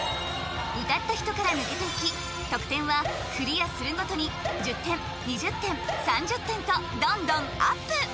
歌った人から抜けていき得点はクリアするごとに１０点２０点３０点とどんどんアップ！